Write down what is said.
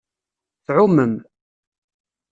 Tɛumem.